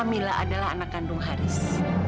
mila adalah anak kandung haris